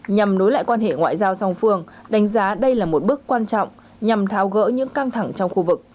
nhằm nối lại quan hệ ngoại giao song phương đánh giá đây là một bước quan trọng nhằm tháo gỡ những căng thẳng trong khu vực